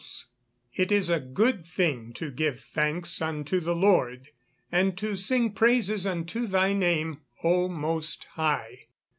[Verse: "It is a good thing to give thanks unto the Lord, and to sing praises unto thy name, O Most High."